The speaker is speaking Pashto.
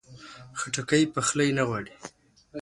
خټکی پخلی نه غواړي.